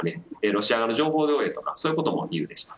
ロシア側の情報漏洩そういうことも理由でした。